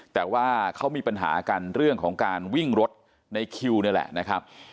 แต่ว่าเขามีปัญหากันเรื่องของการวิ่งรถในคิวนี่แหละนะครับ